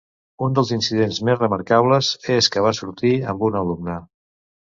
Un dels incidents més remarcables és que va sortir amb una alumna.